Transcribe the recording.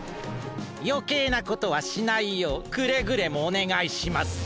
よけいなことはしないようくれぐれもおねがいしますよ。